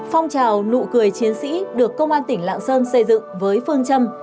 phong trào nụ cười chiến sĩ được công an tỉnh lạng sơn xây dựng với phương châm